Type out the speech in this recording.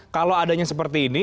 kalau adanya seperti ini